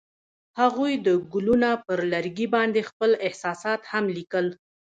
هغوی د ګلونه پر لرګي باندې خپل احساسات هم لیکل.